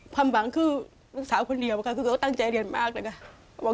ความหวังคือหนึ่งสาวคนเดียวคือต้องตั้งใจเดียวมากประกอบค่ะ